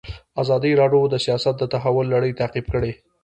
ازادي راډیو د سیاست د تحول لړۍ تعقیب کړې.